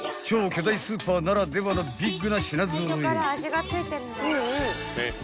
［超巨大スーパーならではのビッグな品揃え］